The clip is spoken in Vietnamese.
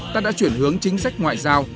ta đã chuyển hướng chính sách ngoại giao